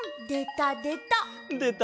でたでた！